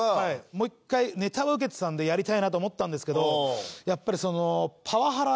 もう一回ネタはウケてたんでやりたいなと思ったんですけどやっぱりその。